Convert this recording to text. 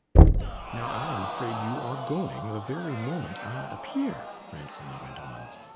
"Now, I am afraid you are going the very moment I appear," Ransom went on.